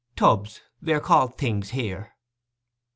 'Tubs—they are called Things here.